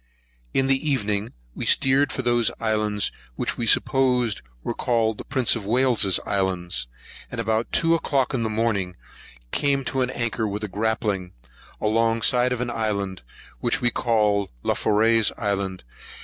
In the evening, we steered for those islands which we supposed were called the Prince of Wales's Islands; and about two o'clock in the morning, came to an anchor with a grappling, along side of an island, which we called Laforey's Island.